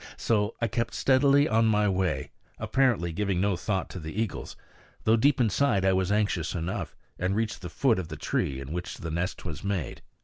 So I kept steadily on my way, apparently giving no thought to the eagles, though deep inside I was anxious enough, and reached the foot of the tree in which the nest was made.